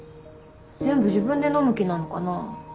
全部自分で飲む気なのかな？